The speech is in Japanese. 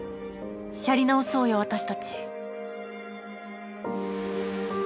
やり直そうよ私たち。